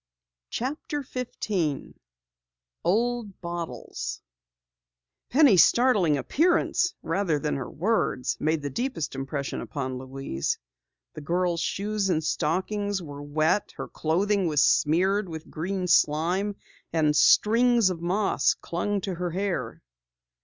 CHAPTER 15 OLD BOTTLES Penny's startling appearance rather than her words made the deepest impression upon Louise. The girl's shoes and stockings were wet, her clothing was smeared with green slime, and strings of moss clung to her hair.